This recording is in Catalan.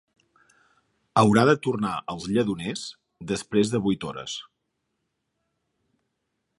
Haurà de tornar als Lledoners després de vuit hores